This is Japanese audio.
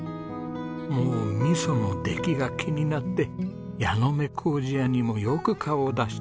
もう味噌の出来が気になって矢ノ目糀屋にもよく顔を出していた忠さん。